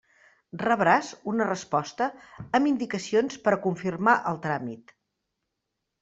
Rebràs una resposta, amb indicacions per a confirmar el tràmit.